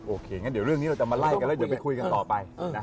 โอเคงั้นเรื่องนี้เราจะมาไล่กันแล้วไปคุยกันต่อไป